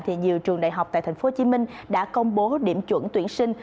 thì nhiều trường đại học tại tp hcm đã công bố điểm chuẩn tuyển sinh